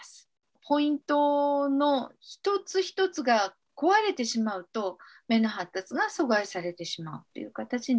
ポイントの一つ一つが壊れてしまうと目の発達が阻害されてしまうという形になります。